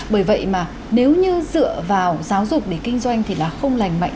bởi vậy mà nếu như dựa vào giáo dục để kinh doanh thì là không lành mạnh